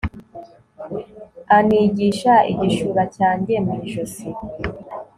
anigisha igishura cyanjye mu ijosi